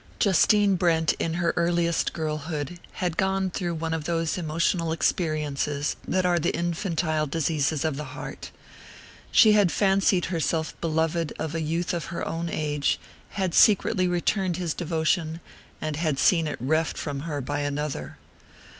Justine Brent, in her earliest girlhood, had gone through one of those emotional experiences that are the infantile diseases of the heart. She had fancied herself beloved of a youth of her own age; had secretly returned his devotion, and had seen it reft from her by another.